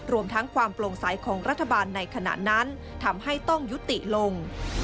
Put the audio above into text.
รวมทั้งความโปร่งใสของรัฐบาลในขณะนั้นทำให้ต้องยุติลง